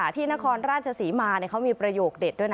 ที่นครราชศรีมาเขามีประโยคเด็ดด้วยนะ